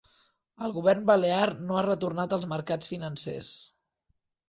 El govern balear no ha retornat als mercats financers